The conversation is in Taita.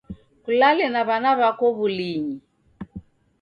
Kulale na w'ana wako w'ulinyi